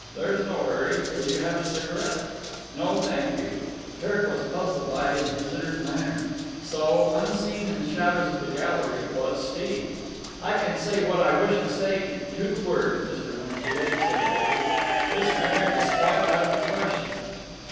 There's no hurry. Will you have a cigarette?" "No, thank you." Kirk was puzzled by his visitor's manner. So, unseen in the shadows of the gallery, was Steve. "I can say what I wish to say in two words, Mr. Winfield," said Bailey. "This marriage is quite out of the question."